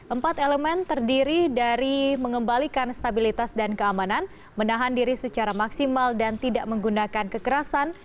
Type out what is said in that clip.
empat elemen terdiri dari mengembalikan stabilitas dan keamanan menahan diri secara maksimal dan tidak menggunakan kekerasan